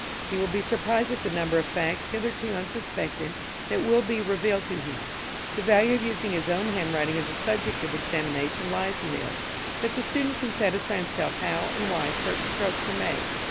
He will be surprised at the number of facts hitherto unsuspected that will be revealed to him. The value of using his own handwriting as a subject of examination lies in this, that the student can satisfy himself how and why certain strokes are made.